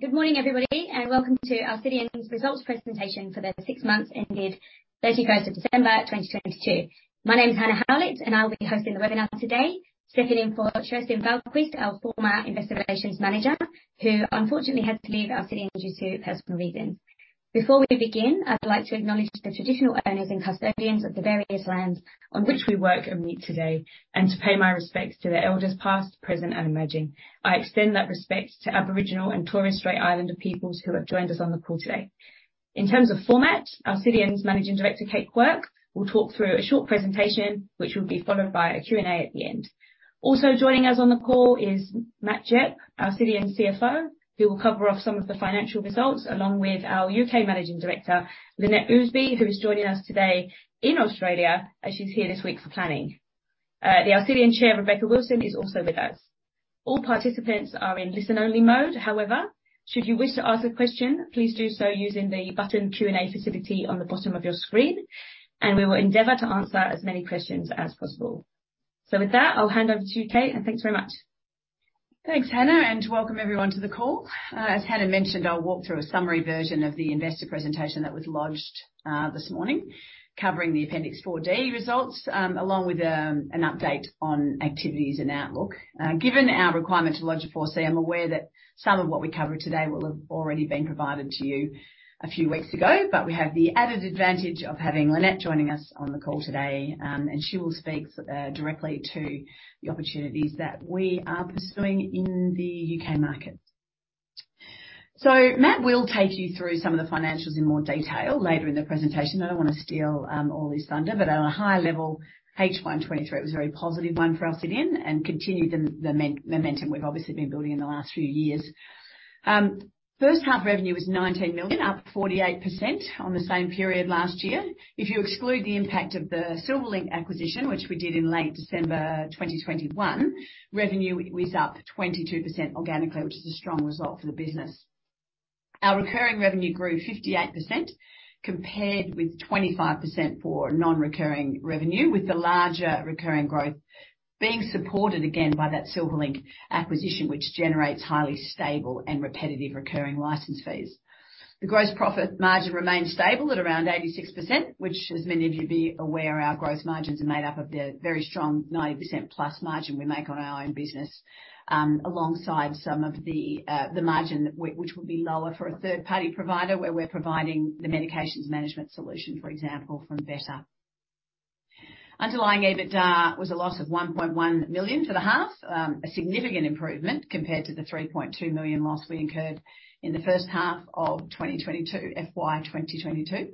Good morning, everybody, and welcome to Alcidion's results presentation for the six months ended 31st of December, 2022. My name is Hannah Howlett, and I'll be hosting the webinar today, stepping in for Kerstin Wahlqvist, our former Investor Relations Manager, who unfortunately had to leave Alcidion due to personal reasons. Before we begin, I'd like to acknowledge the traditional owners and custodians of the various lands on which we work and meet today, and to pay my respects to the elders past, present, and emerging. I extend that respect to Aboriginal and Torres Strait Islander peoples who have joined us on the call today. In terms of format, Alcidion's Managing Director, Kate Quirke, will talk through a short presentation which will be followed by a Q&A at the end Also joining us on the call is Matt Gepp, Alcidion CFO, who will cover off some of the financial results, along with our U.K. Managing Director, Lynette Ousby, who is joining us today in Australia as she's here this week for planning. The Alcidion Chair, Rebecca Wilson, is also with us. All participants are in listen-only mode. However, should you wish to ask a question, please do so using the button Q&A facility on the bottom of your screen, and we will endeavor to answer as many questions as possible. With that, I'll hand over to Kate, thanks very much. Thanks, Hannah, and welcome everyone to the call. As Hannah mentioned, I'll walk through a summary version of the investor presentation that was lodged this morning, covering the Appendix 4D results, along with an update on activities and outlook. Given our requirement to lodge a 4C, I'm aware that some of what we cover today will have already been provided to you a few weeks ago, but we have the added advantage of having Lynette joining us on the call today, and she will speak directly to the opportunities that we are pursuing in the U.K. market. Matt will take you through some of the financials in more detail later in the presentation. I don't wanna steal all his thunder, but at a high level, H1 2023 was a very positive one for Alcidion and continued the momentum we've obviously been building in the last few years. First half revenue was 19 million, up 48% on the same period last year. If you exclude the impact of the Silverlink acquisition, which we did in late December 2021, revenue was up 22% organically, which is a strong result for the business. Our recurring revenue grew 58% compared with 25% for non-recurring revenue, with the larger recurring growth being supported again by that Silverlink acquisition, which generates highly stable and repetitive recurring license fees. The gross profit margin remained stable at around 86%, which as many of you'd be aware, our gross margins are made up of the very strong 90%+ margin we make on our own business, alongside some of the margin which will be lower for a third-party provider, where we're providing the medications management solution, for example, from Better. Underlying EBITDA was a loss of 1.1 million for the half. A significant improvement compared to the 3.2 million loss we incurred in the first half of 2022, FY 2022.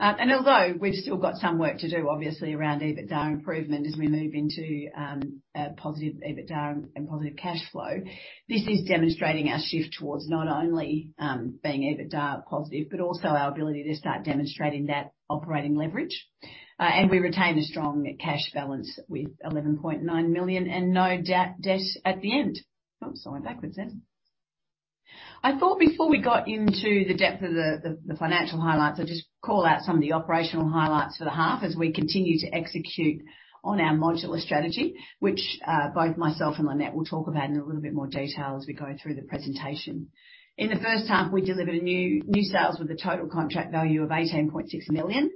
Although we've still got some work to do, obviously, around EBITDA improvement as we move into a positive EBITDA and positive cash flow, this is demonstrating our shift towards not only being EBITDA positive, but also our ability to start demonstrating that operating leverage. We retain a strong cash balance with 11.9 million and no debt at the end. Sorry, backwards. I thought before we got into the depth of the financial highlights, I'd just call out some of the operational highlights for the half as we continue to execute on our modular strategy, which, both myself and Lynette will talk about in a little bit more detail as we go through the presentation. In the first half, we delivered new sales with a total contract value of 18.6 million,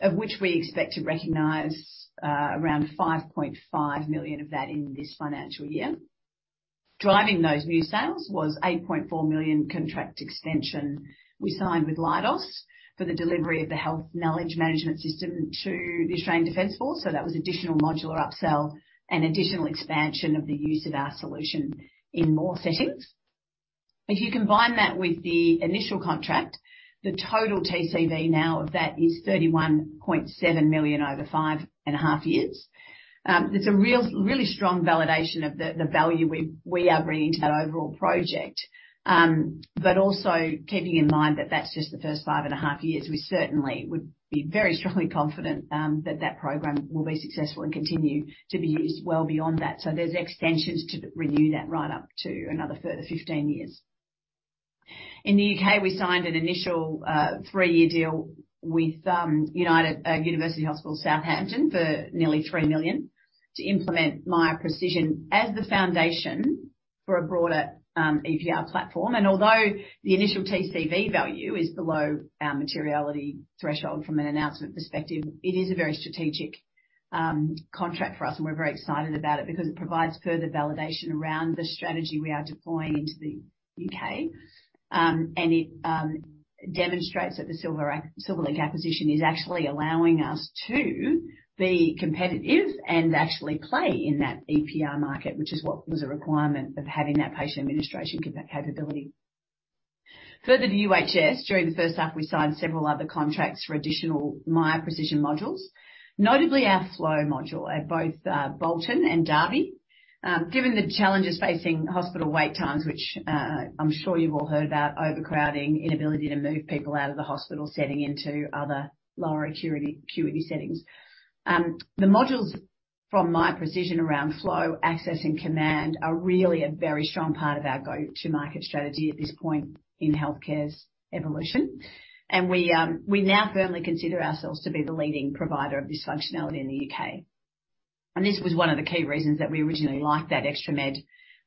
of which we expect to recognize, around 5.5 million of that in this financial year. Driving those new sales was 8.4 million contract extension we signed with Leidos for the delivery of the Health Knowledge Management System to the Australian Defence Force. That was additional modular upsell and additional expansion of the use of our solution in more settings. If you combine that with the initial contract, the total TCV now of that is 31.7 million over 5.5 years. It's a really strong validation of the value we are bringing to that overall project. Also keeping in mind that that's just the first 5.5 years. We certainly would be very strongly confident that that program will be successful and continue to be used well beyond that. There's extensions to renew that right up to another further 15 years. In the UK, we signed an initial three year deal with University Hospital Southampton for nearly 3 million to implement Miya Precision as the foundation for a broader EPR platform. Although the initial TCV value is below our materiality threshold from an announcement perspective, it is a very strategic contract for us, and we're very excited about it because it provides further validation around the strategy we are deploying into the U.K. It demonstrates that the Silverlink acquisition is actually allowing us to be competitive and actually play in that EPR market, which is what was a requirement of having that patient administration capability. Further to UHS, during the first half, we signed several other contracts for additional Miya Precision modules, notably our Flow module at both Bolton and Derby. Given the challenges facing hospital wait times, which I'm sure you've all heard about overcrowding, inability to move people out of the hospital setting into other lower acuity settings. The modules from Miya Precision around Miya Flow, Miya Access, and Miya Command are really a very strong part of our go-to-market strategy at this point in healthcare's evolution. We now firmly consider ourselves to be the leading provider of this functionality in the U.K. And this was one of the key reasons that we originally liked that ExtraMed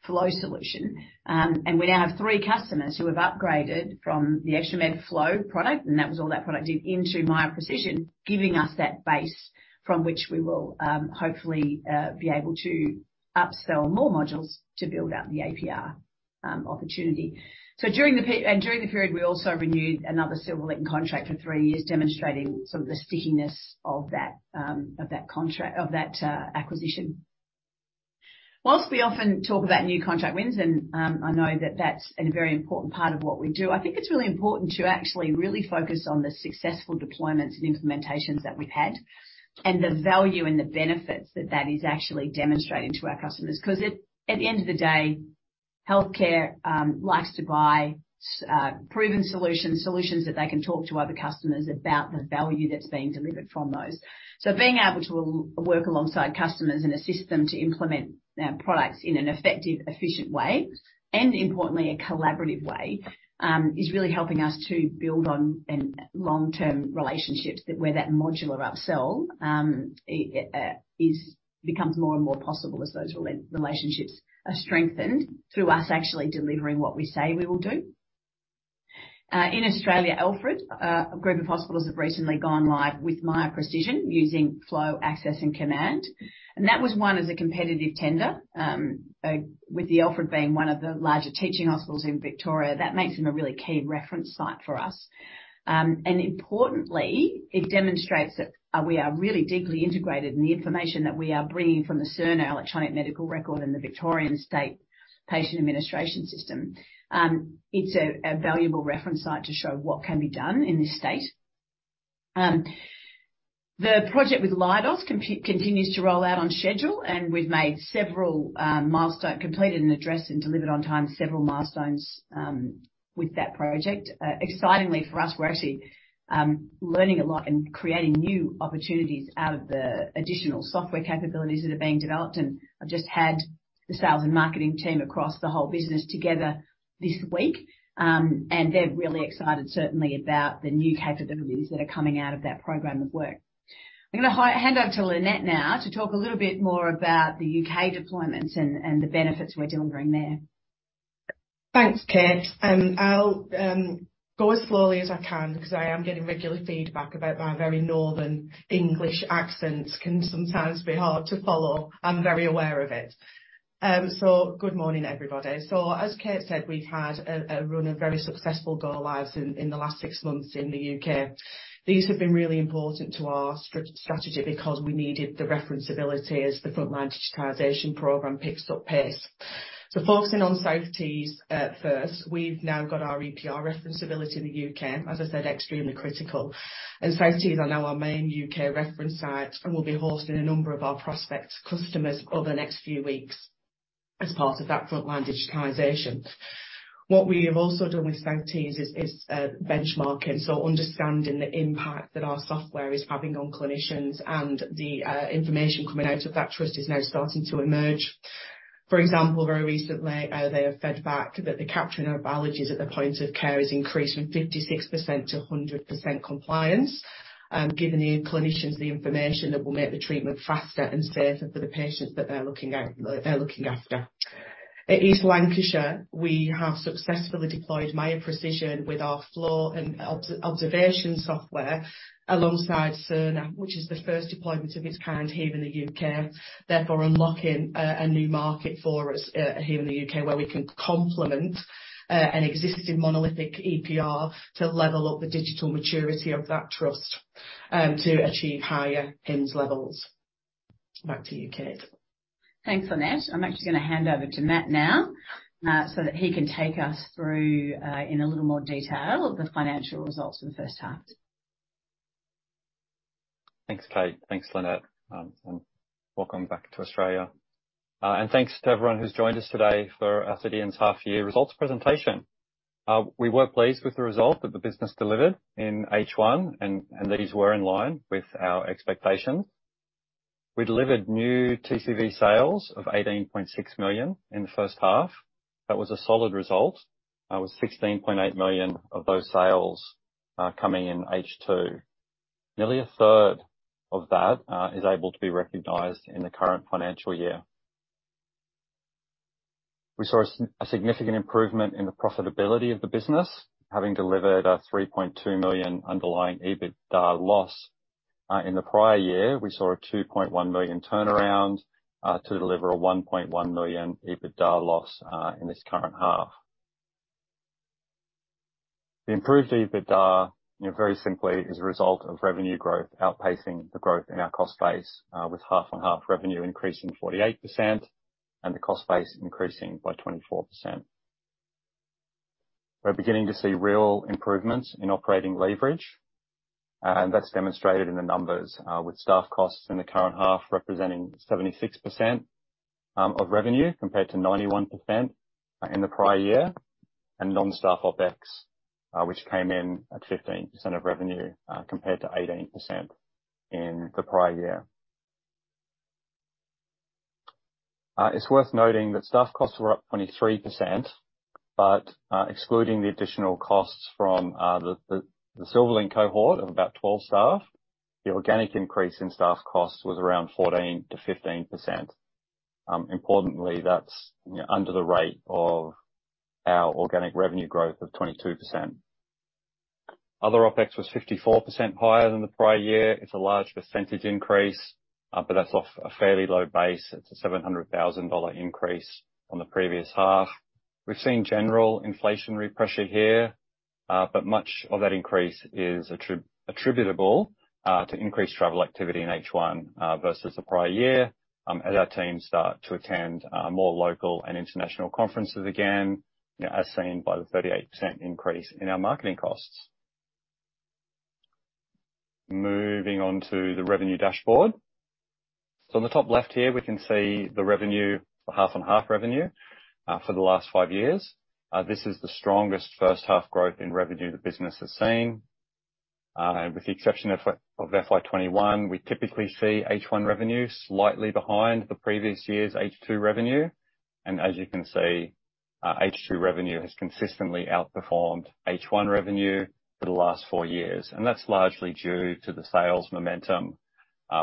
Flow solution. We now have three customers who have upgraded from the ExtraMed Flow product, and that was all that product did into Miya Precision, giving us that base from which we will hopefully be able to upsell more modules to build out the EPR opportunity. During the period, we also renewed another Silverlink contract for three years, demonstrating sort of the stickiness of that contract of that acquisition. Whilst we often talk about new contract wins, I know that that's a very important part of what we do, I think it's really important to actually really focus on the successful deployments and implementations that we've had and the value and the benefits that that is actually demonstrating to our customers. At the end of the day, healthcare likes to buy proven solutions that they can talk to other customers about the value that's being delivered from those. Being able to work alongside customers and assist them to implement their products in an effective, efficient way, and importantly a collaborative way, is really helping us to build on a long-term relationships where that modular upsell becomes more and more possible as those relationships are strengthened through us actually delivering what we say we will do. In Australia, Alfred, a group of hospitals have recently gone live with Miya Precision using Flow, Access, and Command, and that was won as a competitive tender. With the Alfred being one of the larger teaching hospitals in Victoria, that makes them a really key reference site for us. Importantly, it demonstrates that we are really deeply integrated in the information that we are bringing from the Cerner electronic medical record in the Victorian State Patient Administration System. It's a valuable reference site to show what can be done in this state. The project with Leidos continues to roll out on schedule. We've made several completed and addressed and delivered on time several milestones with that project. Excitingly for us, we're actually learning a lot and creating new opportunities out of the additional software capabilities that are being developed. I've just had the sales and marketing team across the whole business together this week. They're really excited certainly about the new capabilities that are coming out of that program of work. I'm gonna hand over to Lynette now to talk a little bit more about the U.K. Deployments and the benefits we're delivering there. Thanks, Kate. I'll go as slowly as I can because I am getting regular feedback about my very northern English accent can sometimes be hard to follow. I'm very aware of it. Good morning, everybody. As Kate said, we've had a run of very successful go lives in the last six months in the U.K. These have been really important to our strategy because we needed the reference ability as the Frontline Digitisation Programme picks up pace. Focusing on South Tees first, we've now got our EPR reference ability in the U.K., as I said, extremely critical. South Tees are now our main U.K. reference site and will be hosting a number of our prospects, customers over the next few weeks as part of that Frontline Digitisation. What we have also done with South Tees is benchmarking, so understanding the impact that our software is having on clinicians and the information coming out of that trust is now starting to emerge. For example, very recently, they have fed back that the capturing of allergies at the point of care has increased from 56% to 100% compliance, giving the clinicians the information that will make the treatment faster and safer for the patients that they're looking after. At East Lancashire, we have successfully deployed Miya Precision with our Flow and observation software alongside Cerner, which is the first deployment of its kind here in the U.K., therefore unlocking a new market for us, here in the U.K., where we can complement an existing monolithic EPR to level up the digital maturity of that trust to achieve higher HIMSS levels. Back to you, Kate. Thanks, Lynette. I'm actually gonna hand over to Matt now, so that he can take us through in a little more detail the financial results in the first half. Thanks, Kate. Thanks, Lynette. Welcome back to Australia. Thanks to everyone who's joined us today for Alcidion's half year results presentation. We were pleased with the result that the business delivered in H one, and these were in line with our expectations. We delivered new TCV sales of 18.6 million in the first half. That was a solid result. With 16.8 million of those sales coming in H two. Nearly a third of that is able to be recognized in the current financial year. We saw a significant improvement in the profitability of the business, having delivered a 3.2 million underlying EBITDA loss. In the prior year, we saw a 2.1 million turnaround to deliver a 1.1 million EBITDA loss in this current half. The improved EBITDA, you know, very simply, is a result of revenue growth outpacing the growth in our cost base, with half-on-half revenue increasing 48% and the cost base increasing by 24%. We're beginning to see real improvements in operating leverage, and that's demonstrated in the numbers, with staff costs in the current half representing 76% of revenue, compared to 91% in the prior year, and non-staff OpEx, which came in at 15% of revenue, compared to 18% in the prior year. It's worth noting that staff costs were up 23%, but excluding the additional costs from the Silverlink cohort of about 12 staff, the organic increase in staff costs was around 14%-15%. Importantly, that's, you know, under the rate of our organic revenue growth of 22%. Other OpEx was 54% higher than the prior year. It's a large percentage increase, that's off a fairly low base. It's an 700,000 dollar increase from the previous half. We've seen general inflationary pressure here, much of that increase is attributable to increased travel activity in H1 versus the prior year, as our teams start to attend more local and international conferences again, you know, as seen by the 38% increase in our marketing costs. Moving on to the revenue dashboard. On the top left here, we can see the revenue, the half-on-half revenue, for the last five years. This is the strongest first half growth in revenue the business has seen. With the exception of FY 2021, we typically see H1 revenue slightly behind the previous year's H2 revenue. As you can see, H2 revenue has consistently outperformed H1 revenue for the last four years. That's largely due to the sales momentum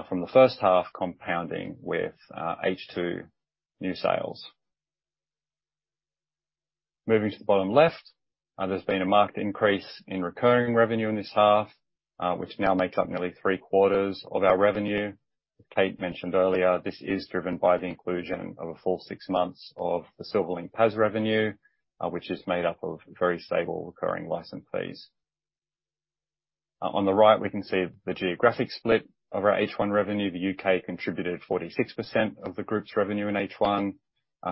from the first half compounding with H2 new sales. Moving to the bottom left, there's been a marked increase in recurring revenue in this half, which now makes up nearly three quarters of our revenue. Kate mentioned earlier, this is driven by the inclusion of a full six months of the Silverlink PAS revenue, which is made up of very stable recurring license fees. On the right, we can see the geographic split of our H1 revenue. The U.K. contributed 46% of the group's revenue in H1.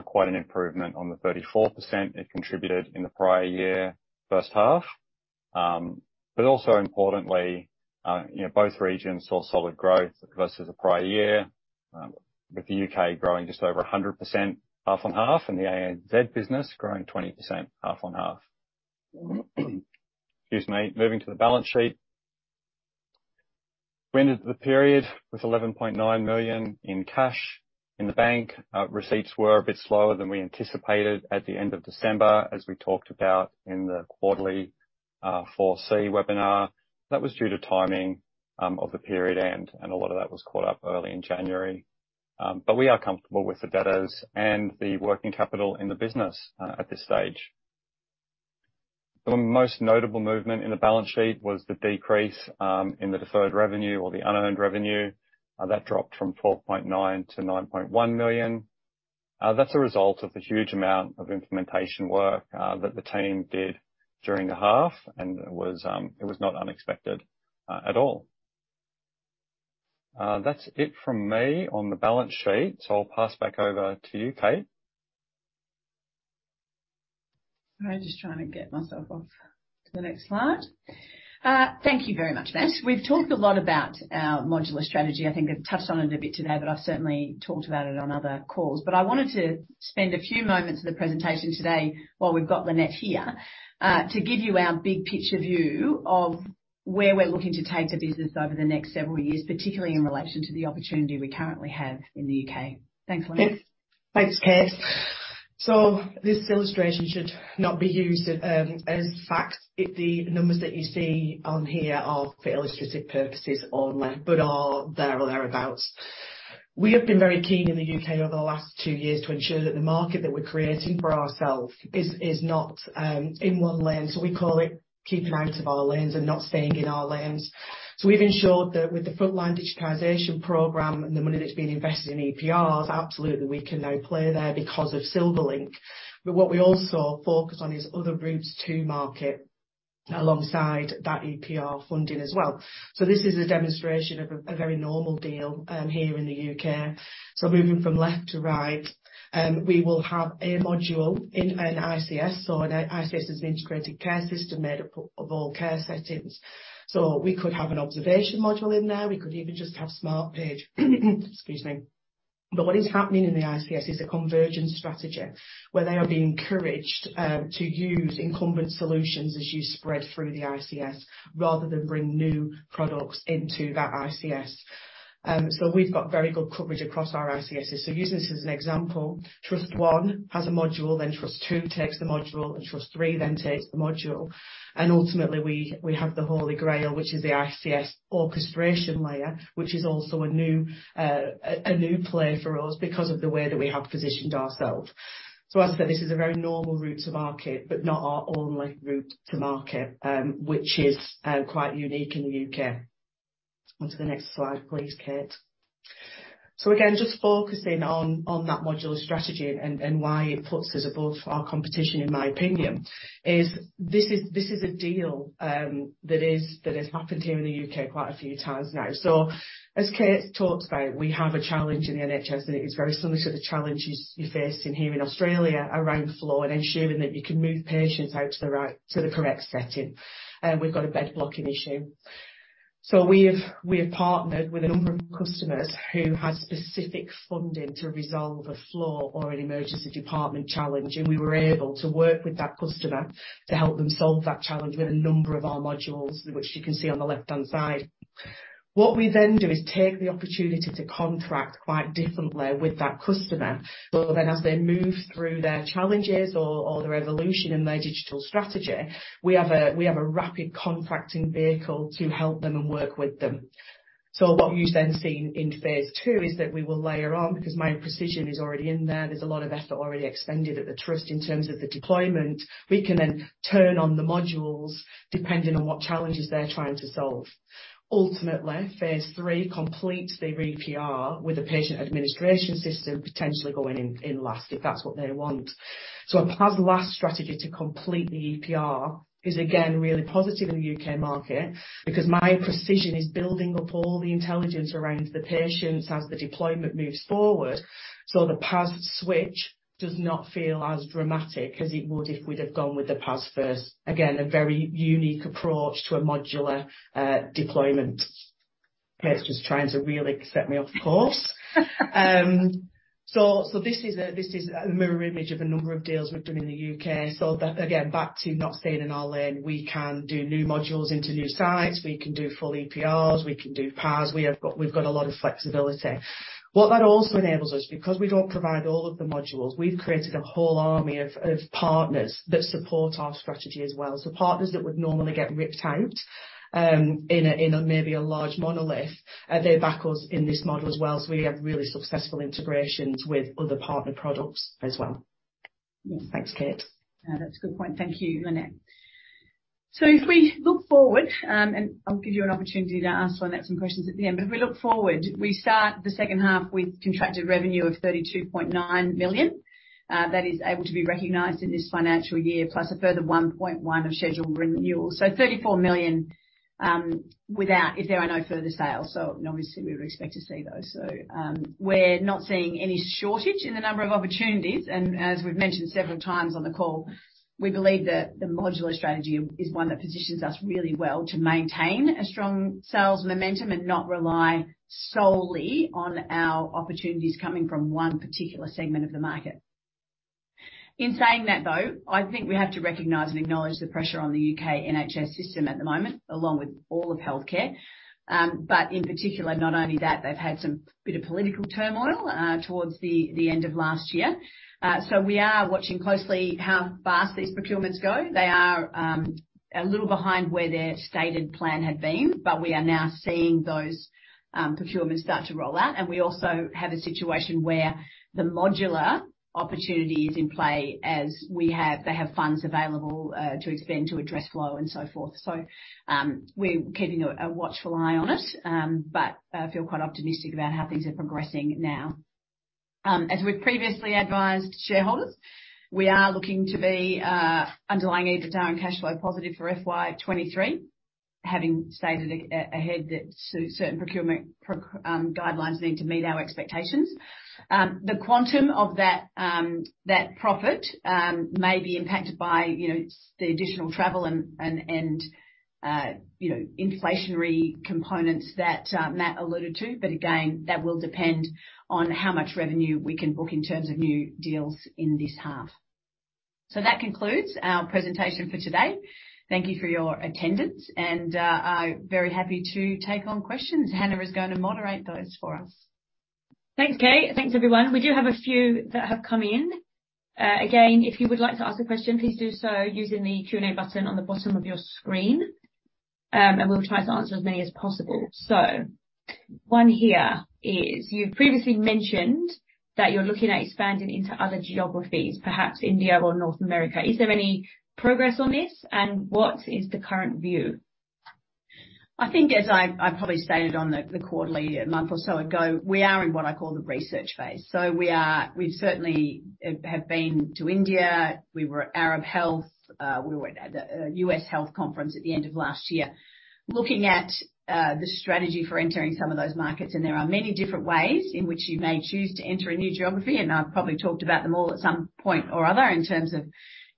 Quite an improvement on the 34% it contributed in the prior year, first half. Importantly, you know, both regions saw solid growth versus the prior year, with the UK growing just over 100% half-on-half and the ANZ business growing 20% half-on-half. Excuse me. Moving to the balance sheet. We ended the period with 11.9 million in cash in the bank. Receipts were a bit slower than we anticipated at the end of December, as we talked about in the quarterly 4C webinar. That was due to timing of the period, and a lot of that was caught up early in January. We are comfortable with the debtors and the working capital in the business at this stage. The most notable movement in the balance sheet was the decrease in the deferred revenue or the unearned revenue. That dropped from 4.9 million-9.1 million. That's a result of the huge amount of implementation work that the team did during the half, and it was not unexpected at all. That's it from me on the balance sheet, so I'll pass back over to you, Kate. I'm just trying to get myself off to the next slide. Thank you very much, Matt. We've talked a lot about our modular strategy. I think I've touched on it a bit today, but I've certainly talked about it on other calls. I wanted to spend a few moments of the presentation today while we've got Lynette here, to give you our big picture view of where we're looking to take the business over the next several years, particularly in relation to the opportunity we currently have in the U.K. Thanks, Lynette. Thanks, Kate. This illustration should not be used as fact. The numbers that you see on here are for illustrative purposes only, but are there or thereabouts. We have been very keen in the U.K. over the last two years to ensure that the market that we're creating for ourself is not in one lane. We call it keeping out of our lanes and not staying in our lanes. We've ensured that with the Frontline Digitisation Programme and the money that's been invested in EPRs, absolutely we can now play there because of Silverlink. What we also focus on is other routes to market alongside that EPR funding as well. This is a demonstration of a very normal deal here in the U.K. Moving from left to right, we will have a module in an ICS. An ICS is an integrated care system made up of all care settings. We could have an observation module in there. We could even just have Smartpage. Excuse me. What is happening in the ICS is a convergence strategy where they are being encouraged to use incumbent solutions as you spread through the ICS rather than bring new products into that ICS. We've got very good coverage across our ICSs. Using this as an example, Trust one has a module, then Trust two takes the module, and Trust three then takes the module. Ultimately we have the Holy Grail, which is the ICS orchestration layer, which is also a new play for us because of the way that we have positioned ourself. As I said, this is a very normal route to market, but not our only route to market, which is quite unique in the U.K. Onto the next slide, please, Kate. Again, just focusing on that modular strategy and why it puts us above our competition, in my opinion, is this is a deal that has happened here in the U.K quite a few times now. As Kate talks about, we have a challenge in the NHS, and it is very similar to the challenges you're facing here in Australia around flow and ensuring that you can move patients out to the right, to the correct setting. We've got a bed blocking issue. We have partnered with a number of customers who had specific funding to resolve a flow or an emergency department challenge, and we were able to work with that customer to help them solve that challenge with a number of our modules, which you can see on the left-hand side. What we then do is take the opportunity to contract quite differently with that customer. As they move through their challenges or their evolution in their digital strategy, we have a rapid contracting vehicle to help them and work with them. What you've then seen in phase two is that we will layer on, because Miya Precision is already in there's a lot of effort already expended at the trust in terms of the deployment. We can then turn on the modules depending on what challenges they're trying to solve. Phase 3 completes their EPR with a Patient Administration System potentially going in last if that's what they want. A PAS last strategy to complete the EPR is again really positive in the U.K. market because Miya Precision is building up all the intelligence around the patients as the deployment moves forward, so the PAS switch does not feel as dramatic as it would if we'd have gone with the PAS first. A very unique approach to a modular deployment. Kate's just trying to really set me off course. This is a mirror image of a number of deals we've done in the U.K. Back to not staying in our lane, we can do new modules into new sites. We can do full EPRs, we can do PAS. We've got a lot of flexibility. What that also enables us, because we don't provide all of the modules, we've created a whole army of partners that support our strategy as well. Partners that would normally get ripped out in a maybe a large monolith, they back us in this model as well, so we have really successful integrations with other partner products as well. Yeah. Thanks, Kate. That's a good point. Thank you, Lynette. If we look forward, and I'll give you an opportunity to ask Lynette some questions at the end. If we look forward, we start the second half with contracted revenue of 32.9 million that is able to be recognized in this financial year, plus a further 1.1 million of scheduled renewals. 34 million, without if there are no further sales. Obviously we would expect to see those. We're not seeing any shortage in the number of opportunities and as we've mentioned several times on the call, we believe that the modular strategy is one that positions us really well to maintain a strong sales momentum and not rely solely on our opportunities coming from one particular segment of the market. In saying that, though, I think we have to recognize and acknowledge the pressure on the U.K. NHS system at the moment, along with all of healthcare. In particular, not only that, they've had some bit of political turmoil towards the end of last year. We are watching closely how fast these procurements go. They are a little behind where their stated plan had been, but we are now seeing those procurements start to roll out. We also have a situation where the modular opportunity is in play as they have funds available to expend, to address flow and so forth. We're keeping a watchful eye on it, but feel quite optimistic about how things are progressing now. As we've previously advised shareholders, we are looking to be underlying EBITDA and cash flow positive for FY 2023, having stated ahead that certain procurement guidelines need to meet our expectations. The quantum of that profit may be impacted by, you know, the additional travel and, you know, inflationary components that Matt alluded to. Again, that will depend on how much revenue we can book in terms of new deals in this half. That concludes our presentation for today. Thank you for your attendance and I'm very happy to take on questions. Hannah is gonna moderate those for us. Thanks, Kate. Thanks, everyone. We do have a few that have come in. Again, if you would like to ask a question, please do so using the Q&A button on the bottom of your screen, and we'll try to answer as many as possible. One here is, you previously mentioned that you're looking at expanding into other geographies, perhaps India or North America. Is there any progress on this and what is the current view? I think, as I probably stated on the quarterly a month or so ago, we are in what I call the research phase. We certainly have been to India. We were at Arab Health. We were at a U.S. health conference at the end of last year looking at the strategy for entering some of those markets. There are many different ways in which you may choose to enter a new geography, and I've probably talked about them all at some point or other in terms of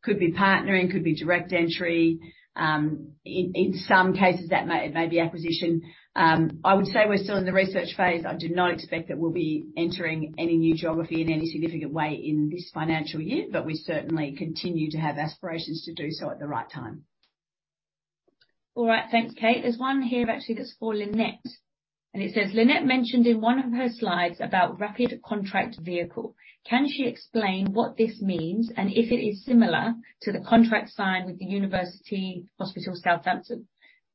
could be partnering, could be direct entry. In some cases, it may be acquisition. I would say we're still in the research phase. I do not expect that we'll be entering any new geography in any significant way in this financial year, but we certainly continue to have aspirations to do so at the right time. All right. Thanks, Kate. There's one here actually that's for Lynette. It says: Lynette mentioned in one of her slides about rapid contract vehicle. Can she explain what this means and if it is similar to the contract signed with the University Hospital Southampton,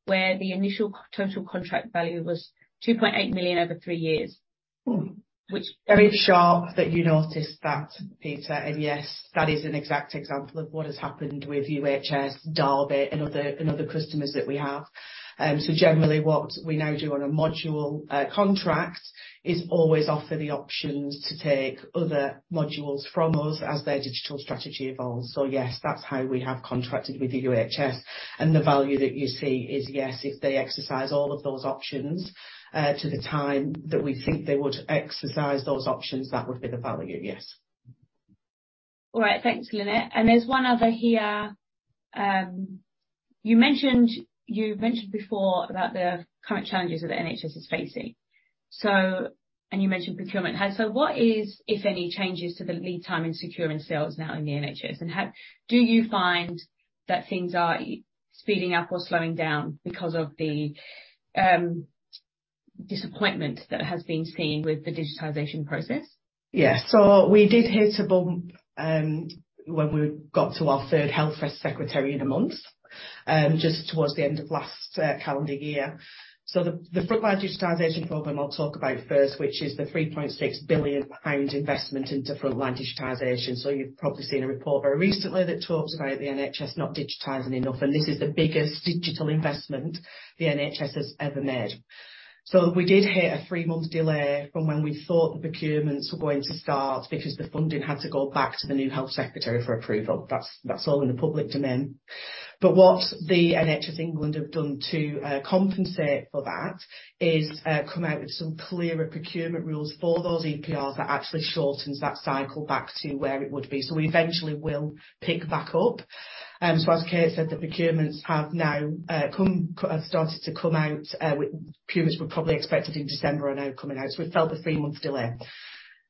where the initial total contract value was 2.8 million over three years? Hmm. Which- Very sharp that you noticed that, Peter. Yes, that is an exact example of what has happened with UHS, Derby and other customers that we have. Generally what we now do on a module contract is always offer the options to take other modules from us as their digital strategy evolves. Yes, that's how we have contracted with the UHS. The value that you see is, yes, if they exercise all of those options, to the time that we think they would exercise those options, that would be the value, yes. All right. Thanks, Lynette. There's one other here. You mentioned before about the current challenges that the NHS is facing. You mentioned procurement. What is, if any, changes to the lead time in securing sales now in the NHS? How do you find that things are speeding up or slowing down because of the disappointment that has been seen with the digitization process? Yeah. We did hit a bump, when we got to our third health secretary in a month, just towards the end of last calendar year. The Frontline Digitisation Programme I'll talk about first, which is the 3.6 billion pound investment into frontline digitization. You've probably seen a report very recently that talks about the NHS not digitizing enough, and this is the biggest digital investment the NHS has ever made. We did hit a three-month delay from when we thought the procurements were going to start because the funding had to go back to the new health secretary for approval. That's all in the public domain. What the NHS England have done to compensate for that is come out with some clearer procurement rules for those EPR that actually shortens that cycle back to where it would be. We eventually will pick back up. As Kate said, the procurements have now started to come out. Procurements were probably expected in December are now coming out, so we felt the three-month delay.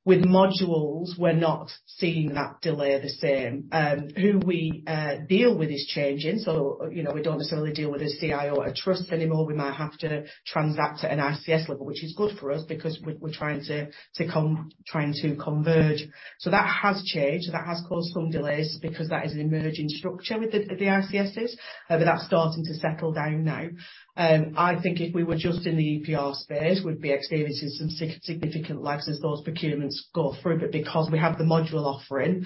With modules, we're not seeing that delay the same. Who we deal with is changing. You know, we don't necessarily deal with a CIO at trusts anymore. We might have to transact at an ICS level, which is good for us because we're trying to converge. That has changed. That has caused some delays because that is an emerging structure with the ICSs, but that's starting to settle down now. I think if we were just in the EPR space, we'd be experiencing some significant lags as those procurements go through. Because we have the module offering,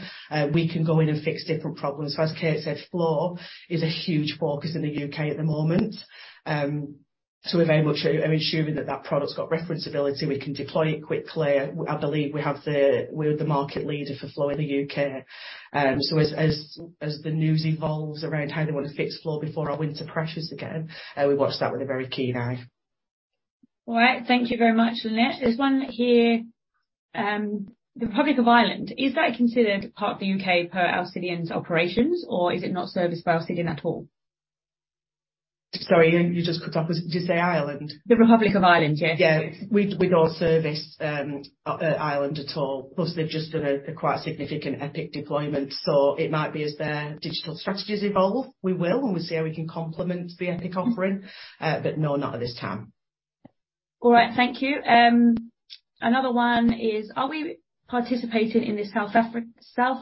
we can go in and fix different problems. As Kate said, flow is a huge focus in the U.K. at the moment. We're able to ensure that that product's got referenceability, we can deploy it quickly. I believe we're the market leader for flow in the U.K. As the news evolves around how they want to fix flow before our winter pressures again, we watch that with a very keen eye. All right. Thank you very much, Lynette. There's one here, the Republic of Ireland, is that considered part of the U.K. per Alcidion's operations, or is it not serviced by Alcidion at all? Sorry, you just cut off. Did you say Ireland? The Republic of Ireland, yeah. We don't service Ireland at all. Plus, they've just done a quite significant Epic deployment. It might be as their digital strategies evolve, we will, and we'll see how we can complement the Epic offering. No, not at this time. All right. Thank you. another one is: Are we participating in this South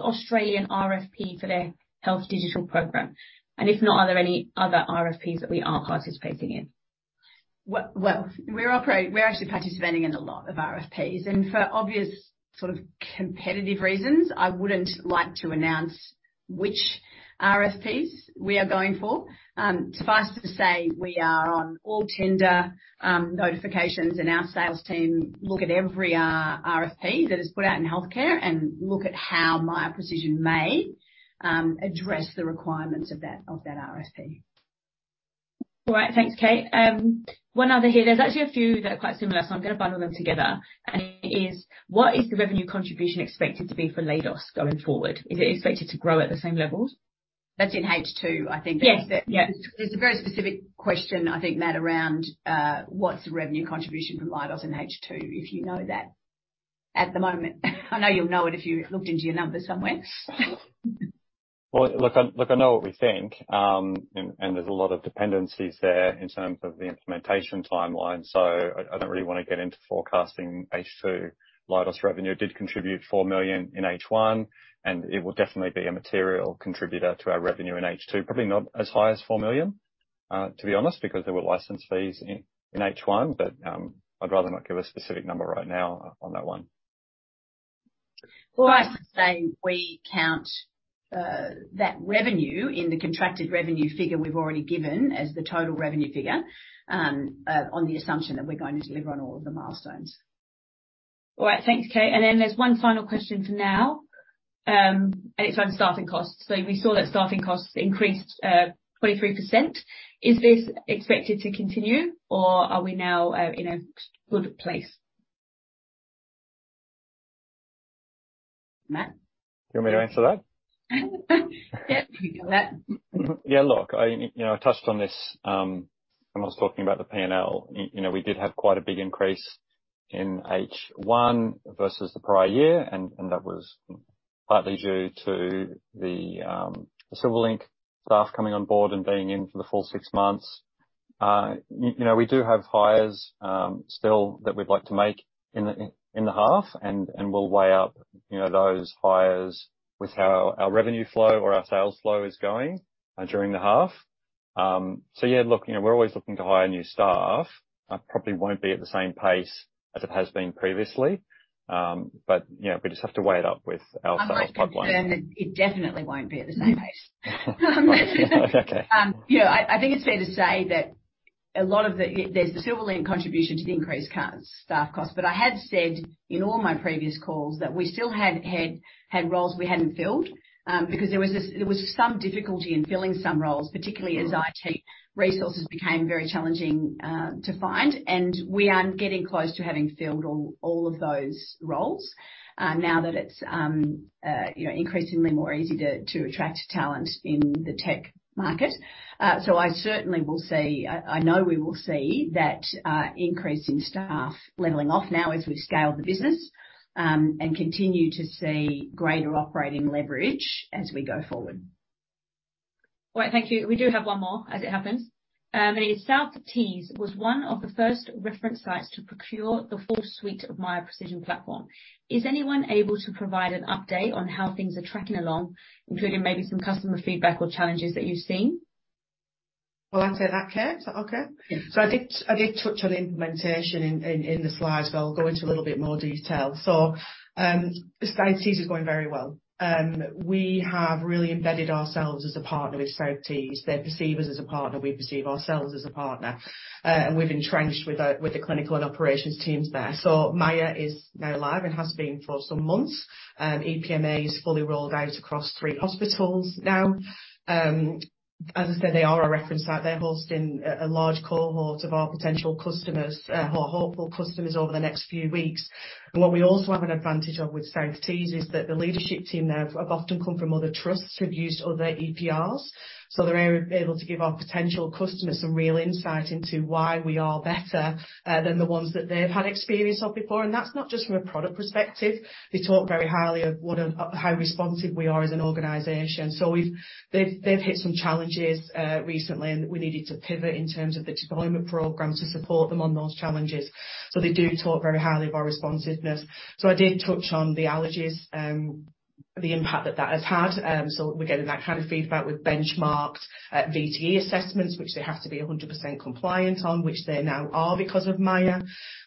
Australian RFP for their health digital program? If not, are there any other RFPs that we are participating in? Well, we're actually participating in a lot of RFPs. For obvious sort of competitive reasons, I wouldn't like to announce which RFPs we are going for. Suffice to say, we are on all tender notifications, and our sales team look at every RFP that is put out in healthcare and look at how Miya Precision may address the requirements of that RFP. All right. Thanks, Kate. One other here. There's actually a few that are quite similar, so I'm gonna bundle them together. It is: What is the revenue contribution expected to be for Leidos going forward? Is it expected to grow at the same levels? That's in H2, I think. Yes. Yeah. There's a very specific question, I think, Matt, around, what's the revenue contribution from Leidos in H2, if you know that at the moment. I know you'll know it if you looked into your numbers somewhere. Well, look, I, look, I know what we think. There's a lot of dependencies there in terms of the implementation timeline, so I don't really wanna get into forecasting H2. Leidos revenue did contribute 4 million in H1, and it will definitely be a material contributor to our revenue in H2. Probably not as high as 4 million, to be honest, because there were license fees in H1. I'd rather not give a specific number right now on that one. Well, I say we count, that revenue in the contracted revenue figure we've already given as the total revenue figure, on the assumption that we're going to deliver on all of the milestones. All right. Thanks, Kate. There's one final question for now. It's on staffing costs. We saw that staffing costs increased, 23%. Is this expected to continue, or are we now, in a good place? Matt? You want me to answer that? Yep, you can do that. Look, I, you know, I touched on this when I was talking about the P&L. You know, we did have quite a big increase in OpEx versus the prior year, and that was partly due to the Silverlink staff coming on board and being in for the full six months. You know, we do have hires still that we'd like to make in the half and we'll weigh up, you know, those hires with how our revenue flow or our sales flow is going during the half. Look, you know, we're always looking to hire new staff. Probably won't be at the same pace as it has been previously. You know, we just have to weigh it up with our sales pipeline. I might confirm that it definitely won't be at the same pace. Okay. Yeah. I think it's fair to say that a lot of the Silverlink contribution to the increased staff cost. I had said in all my previous calls that we still had roles we hadn't filled because there was some difficulty in filling some roles, particularly as IT resources became very challenging to find. We are getting close to having filled all of those roles now that it's, you know, increasingly more easy to attract talent in the tech market. I certainly will see, I know we will see that increase in staff leveling off now as we scale the business and continue to see greater operating leverage as we go forward. All right, thank you. We do have one more as it happens. South Tees was one of the first reference sites to procure the full suite of Miya Precision platform. Is anyone able to provide an update on how things are tracking along, including maybe some customer feedback or challenges that you've seen? Well, I'll take that, Kate. Is that okay? Yeah. I did touch on implementation in the slides, but I'll go into a little bit more detail. South Tees is going very well. We have really embedded ourselves as a partner with South Tees. They perceive us as a partner, we perceive ourselves as a partner. And we've entrenched with the clinical and operations teams there. Miya is now live and has been for some months. EPMA is fully rolled out across 3 hospitals now. As I said, they are a reference site. They're hosting a large cohort of our potential customers, or hopeful customers over the next few weeks. What we also have an advantage of with South Tees is that the leadership team there have often come from other trusts who've used other EPRs, so they're able to give our potential customers some real insight into why we are better than the ones that they've had experience of before. That's not just from a product perspective. They talk very highly of how responsive we are as an organization. They've hit some challenges recently, and we needed to pivot in terms of the deployment program to support them on those challenges. They do talk very highly of our responsiveness. I did touch on the allergies, the impact that that has had. We're getting that kind of feedback with benchmarked VTE assessments, which they have to be 100% compliant on, which they now are because of Miya.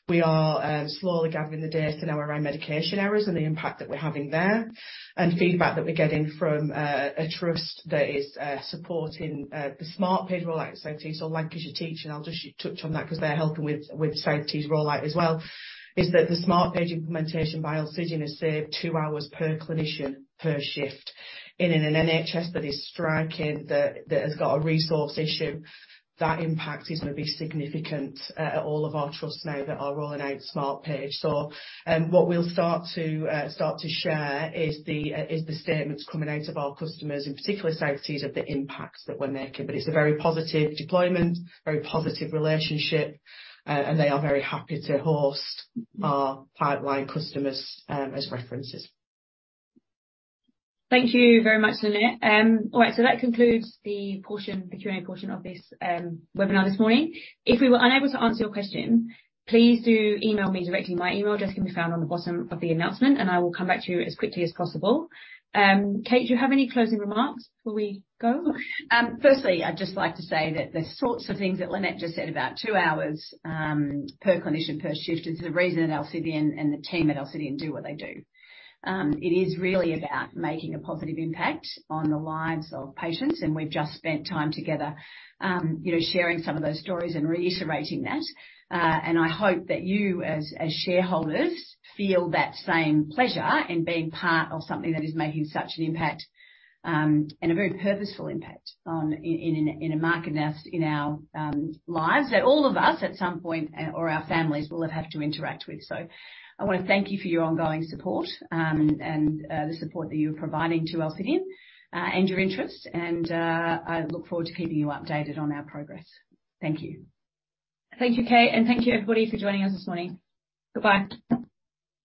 We are slowly gathering the data now around medication errors and the impact that we're having there, and feedback that we're getting from a trust that is supporting the Smartpage rollout at South Tees or Lancashire Teaching. I'll just touch on that 'cause they're helping with South Tees rollout as well, is that the Smartpage implementation by Alcidion has saved two hours per clinician per shift. In an NHS that is striking, that has got a resource issue, that impact is gonna be significant at all of our trusts now that are rolling out Smartpage. What we'll start to share is the statements coming out of our customers, in particular South Tees, of the impacts that we're making. It's a very positive deployment, very positive relationship. They are very happy to host our pipeline customers as references. Thank you very much, Lynette. All right. That concludes the portion, the Q&A portion of this webinar this morning. If we were unable to answer your question, please do email me directly. My email address can be found on the bottom of the announcement, and I will come back to you as quickly as possible. Kate, do you have any closing remarks before we go? Firstly, I'd just like to say that the sorts of things that Lynette just said about two hours per clinician per shift is the reason Alcidion and the team at Alcidion do what they do. It is really about making a positive impact on the lives of patients, and we've just spent time together, you know, sharing some of those stories and reiterating that. I hope that you as shareholders feel that same pleasure in being part of something that is making such an impact and a very purposeful impact on a market in our lives that all of us at some point or our families will have had to interact with. I wanna thank you for your ongoing support, and the support that you're providing to Alcidion, and your interest, and, I look forward to keeping you updated on our progress. Thank you. Thank you, Kate, and thank you everybody for joining us this morning. Goodbye.